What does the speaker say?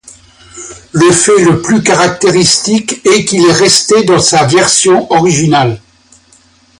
Le fait le plus caractéristique est qu'il est resté dans sa version originale.